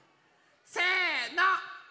せの！